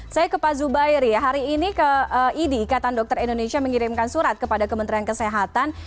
saya ke pak zubairi hari ini ke idi ikatan dokter indonesia mengirimkan surat kepada kementerian kesehatan